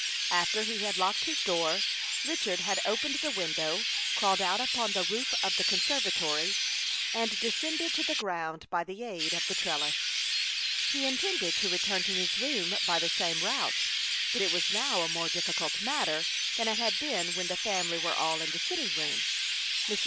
After he had locked his door, Richard had opened the window, crawled out upon the roof of the conservatory, and descended to the ground by the aid of the trellis. He intended to return to his room by the same route, but it was now a more difficult matter than it had been when the family were all in the sitting room. Mr.